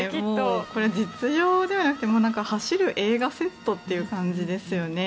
これ、実用じゃなくて走る映画セットという感じですよね。